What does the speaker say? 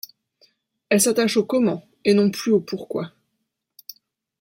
Elle s’attache au comment et non plus au pourquoi.